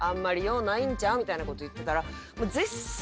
みたいなこと言ってたら。